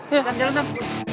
jalan jalan tam